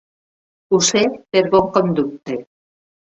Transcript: Ho sé per bon conducte.